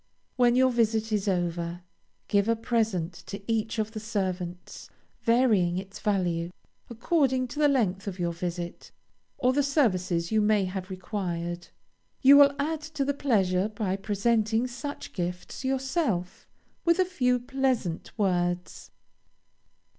When your visit is over, give a present to each of the servants, varying its value, according to the length of your visit or the services you may have required. You will add to the pleasure by presenting such gifts yourself, with a few pleasant words.